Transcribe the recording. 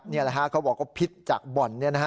นี่แหละฮะเขาบอกว่าพิษจากบ่อน